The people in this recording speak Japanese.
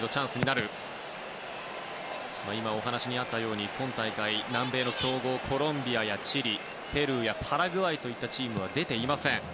今、お話にあったように今大会は南米の強豪、コロンビアやチリペルーやパラグアイというチームは出ていません。